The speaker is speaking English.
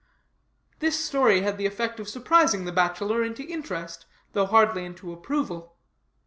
This story had the effect of surprising the bachelor into interest, though hardly into approval.